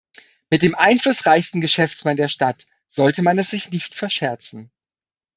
Mit dem einflussreichsten Geschäftsmann der Stadt sollte man es sich nicht verscherzen.